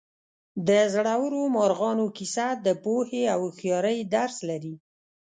د زړورو مارغانو کیسه د پوهې او هوښیارۍ درس لري.